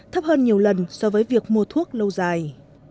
thấp hơn nhiều lần so với việc mua thuốc lâu dài